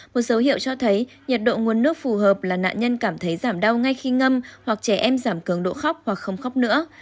một dấu hiệu cho thấy nhiệt độ nguồn nước phù hợp là nạn nhân cảm thấy giảm đau ngay khi ngâm hoặc trẻ em giảm cường độ khóc hoặc không khóc nữa